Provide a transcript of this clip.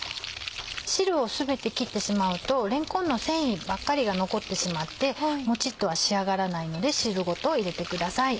汁を全て切ってしまうとれんこんの繊維ばっかりが残ってしまってモチっとは仕上がらないので汁ごと入れてください。